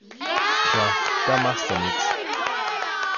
Tja, da machste nix.